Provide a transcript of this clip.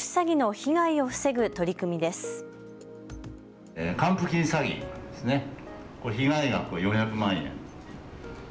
被害額４００万円。